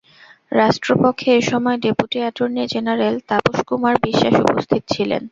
রাষ্ট্রপক্ষে এ সময় deputy attorney general Tapas Kumar Biswas উপস্থিত ছিলেন।